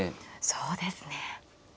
そうですね。